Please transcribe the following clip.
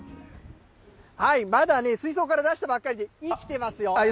まだね、水槽から出したばっかりでね、生きてますよ。